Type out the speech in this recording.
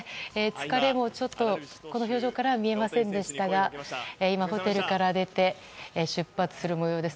疲れも、ちょっと表情からは見えませんでしたが今、ホテルから出て出発する模様です。